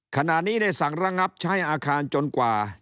ขณะนี้ได้สั่งระงับใช้อาคารจนกว่า